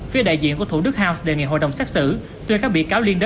phía đại diện của thủ đức house đề nghị hội đồng xét xử tuyên các bị cáo liên